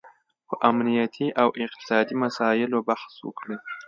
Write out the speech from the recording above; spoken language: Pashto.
په امنیتي او اقتصادي مساییلو بحث وکړي